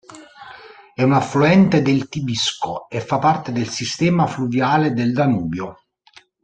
È un affluente del Tibisco e fa parte del sistema fluviale del Danubio.